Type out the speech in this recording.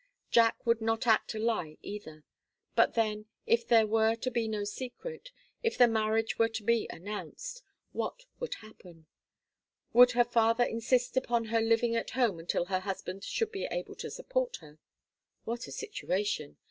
Jack would not act a lie either. But then, if there were to be no secret, and if the marriage were to be announced, what would happen? Would her father insist upon her living at home until her husband should be able to support her? What a situation!